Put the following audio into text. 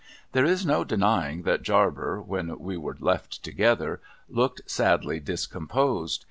There is no denying that Jarber, when we ■\\ere left together, looked sadly discomposed.